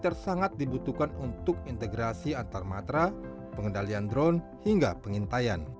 satelit militer sangat dibutuhkan untuk integrasi antarmatera pengendalian drone hingga pengintaian